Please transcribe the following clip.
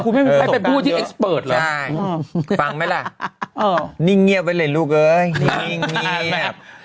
คุณไม่มีประสบการณ์เยอะใช่ฟังไหมแหละนิ่งเงียบไว้เลยลูกเอ้ยนิ่งเงียบ